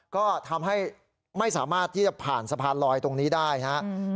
ก็ทำให้ไม่สามารถที่จะผ่านสะพานลอยตรงนี้ได้นะครับ